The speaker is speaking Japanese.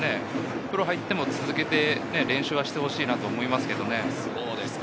プロに入っても続けて練習してほしいと思います。